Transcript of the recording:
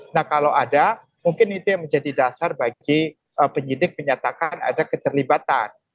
nah kalau ada mungkin itu yang menjadi dasar bagi penyidik menyatakan ada keterlibatan